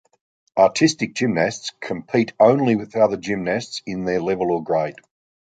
Artistic gymnasts compete only with other gymnasts in their level or grade.